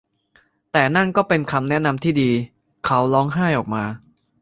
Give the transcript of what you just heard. แต่นั่นก็เป็นคำแนะนำที่ดี เขาร้องไห้ออกมา